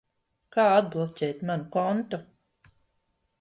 Kā atbloķēt manu kontu?